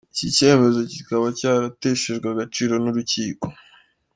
Iki cyemezo kikaba cyarateshejwe agaciro n’urukiko.